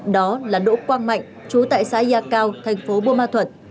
đó là đỗ quang mạnh chú tại xã gia cao thành phố bù ma thuật